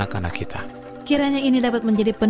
inilah mimbar suara pengharapan